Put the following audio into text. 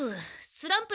スランプ？